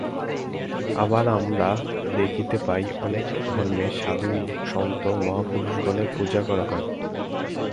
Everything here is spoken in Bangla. আবার আমরা দেখিতে পাই, অনেক ধর্মে সাধু-সন্ত মহাপুরুষগণের পূজা করা হয়।